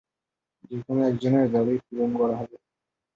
যেকোনো একজনের দাবি পূরণ করা হবে।